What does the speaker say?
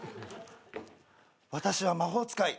私は魔法使い。